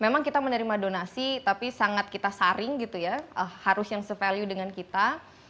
memang kita menerima donasi tapi sangat kita saring gitu ya harus yang se value dengan kita